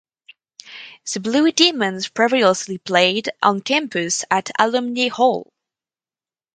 The Blue Demons previously played on campus at Alumni Hall.